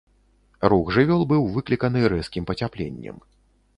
Рух жывёл быў выкліканы рэзкім пацяпленнем.